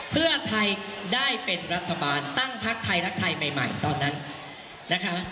เพื่อไทยได้เป็นรัฐบาลตั้งพักไทยรักไทยใหม่ตอนนั้นนะคะ